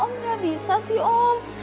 om gak bisa sih om